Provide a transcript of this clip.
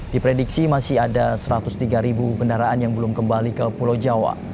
diprediksi masih ada satu ratus tiga kendaraan yang belum kembali ke pulau jawa